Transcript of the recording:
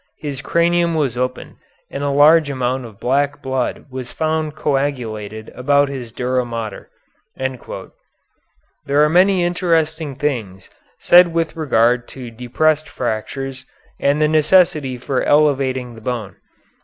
His cranium was opened and a large amount of black blood was found coagulated about his dura mater." There are many interesting things said with regard to depressed fractures and the necessity for elevating the bone.